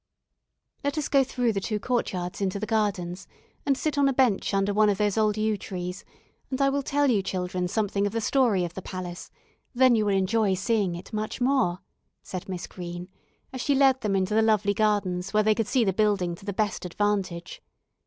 "Let us go through the two courtyards into the gardens and sit on a bench under one of those old yew trees, and I will tell you children something of the story of the palace; then you will enjoy seeing it much more," said Miss Green, as she led them into the lovely gardens where they could see the building to the best advantage.